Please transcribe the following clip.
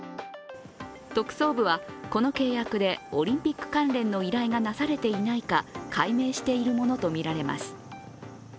特捜部はこの契約でオリンピック関連の依頼がなされていないか、解明しているものとみられます。